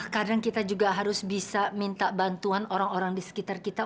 kadang kita juga harus bisa minta bantuan orang orang di sekitar kita